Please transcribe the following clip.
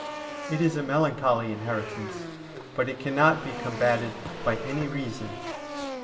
It is a melancholy inheritance, but it cannot be combated by any reason.